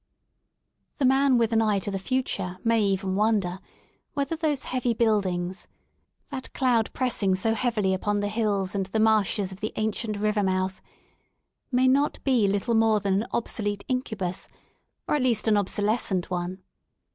The man with an eye to the future may even wonder whether those heavy buildings — that cloud pressing so 163 THE SOUL OF LONDON heavily upon the hills and the marshes of the ancient river mouth — may not be little more than an obsolete incubus, or at least an obsolescent one.